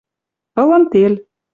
ылын тел.